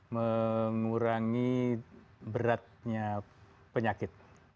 mengurangi beratnya penyakit